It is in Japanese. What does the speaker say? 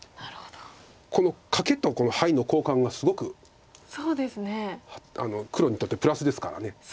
このカケとこのハイの交換がすごく黒にとってプラスですから。